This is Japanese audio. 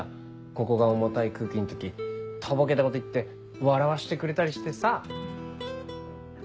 ここが重たい空気の時とぼけたこと言って笑わしてくれたりしてさ。